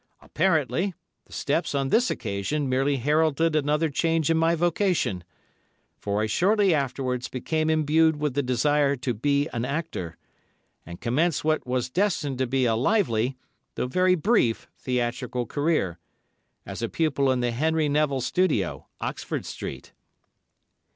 Apparently, the steps on this occasion merely heralded another change in my vocation, for I shortly afterwards became imbued with the desire to be an actor, and commenced what was destined to be a lively, though very brief theatrical career, as a pupil in the Henry Neville Studio, Oxford Street.